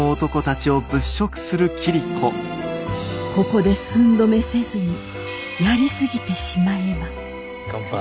ここで寸止めせずにやり過ぎてしまえば乾杯。